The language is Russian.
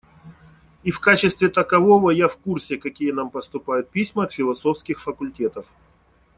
И в качестве такового я в курсе какие нам поступают письма от философских факультетов.